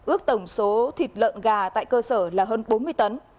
ước tổng số thịt lợn gà tại cơ sở là hơn bốn mươi tấn